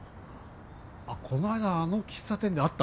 あこないだあの喫茶店で会った。